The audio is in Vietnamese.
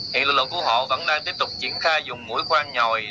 hiện lực lượng cứu hộ vẫn đang tiếp tục triển khai dùng mũi khoan nhòi